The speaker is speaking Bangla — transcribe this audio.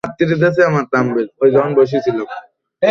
কিন্তু প্রয়োজনীয় ইচ্ছাশক্তির অভাবেই পেরে উঠছেন না।